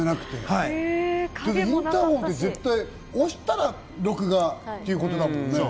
インターホンって、押したら録画ということだもんね。